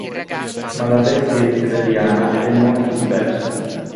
Ma la bestia hitleriana è molto diversa.